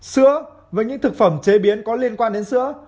sữa với những thực phẩm chế biến có liên quan đến sữa